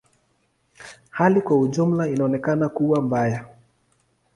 Hali kwa ujumla inaonekana kuwa mbaya.